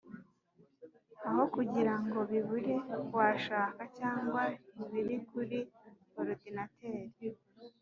Aho kugira ngo bibure washaka cyangwa ibiri kuri orudinateri